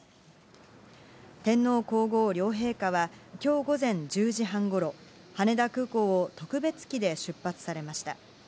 天皇皇后両陛下は今日午前１０時半頃、羽田空港を特別機で出発されました。